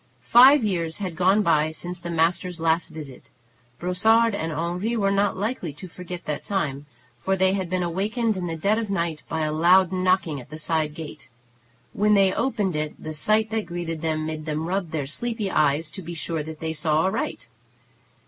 Five years had gone by since the master's last visit. Brossard and Henri were not likely to forget that time, for they had been awakened in the dead of night by a loud knocking at the side gate. When they opened it the sight that greeted them made them rub their sleepy eyes to be sure that they saw aright.